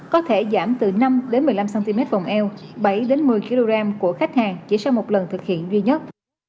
có thể giảm từ năm một mươi năm cm vòng eo bảy một mươi kg của khách hàng chỉ sau một lần thực hiện duy nhất